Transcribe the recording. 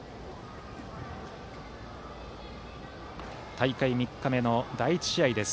大会３日目の第１試合です。